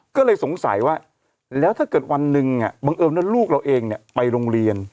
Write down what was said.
ก็เลยสงสัยว่าแล้วถ้าเกิดวันหนึ่งบังเอิญลูกเราเองไปโรงเรียน